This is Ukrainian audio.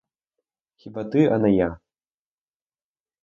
Хіба ти, а не я!